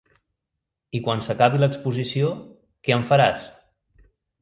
I quan s’acabi l’exposició, què en faràs?